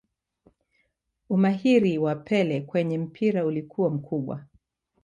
Umahiri waa pele kwenye mpira ulikuwa mkubwa